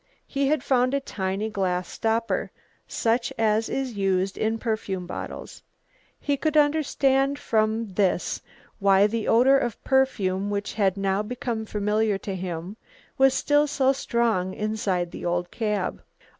He had found a tiny glass stopper, such as is used in perfume bottles. He could understand from this why the odour of perfume which had now become familiar to him was still so strong inside the old cab.